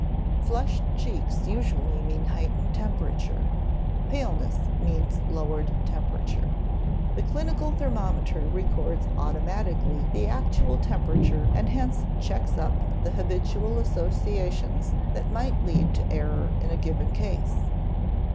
Flushed cheeks usually mean heightened temperature; paleness means lowered temperature. The clinical thermometer records automatically the actual temperature and hence checks up the habitual associations that might lead to error in a given case.